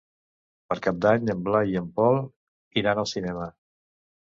Per Cap d'Any en Blai i en Pol iran al cinema.